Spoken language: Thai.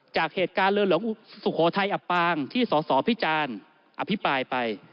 จากเหตุการณ์เรืองศุโฮไทยอับปางที่ศอสนอภิจารณ์อภิปรายไป